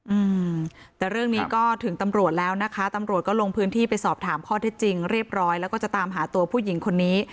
อืมแต่เรื่องนี้ก็ถึงตำรวจแล้วนะคะตำรวจก็ลงพื้นที่ไปสอบถามข้อเท็จจริงเรียบร้อยแล้วก็จะตามหาตัวผู้หญิงคนนี้